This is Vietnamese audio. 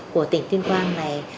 của tỉnh tuyên quang này